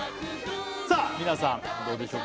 さあ皆さんどうでしょうか？